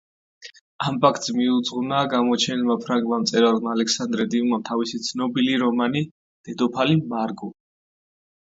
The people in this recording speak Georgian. ამ ფაქტს მიუძღვნა გამოჩენილმა ფრანგმა მწერალმა ალექსანდრე დიუმამ თავისი ცნობილი რომანი დედოფალი მარგო.